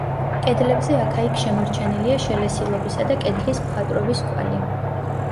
კედლებზე აქა-იქ შემორჩენილია შელესილობისა და კედლის მხატვრობის კვალი.